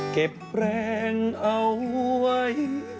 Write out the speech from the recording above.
เก็บแรงเอาไว้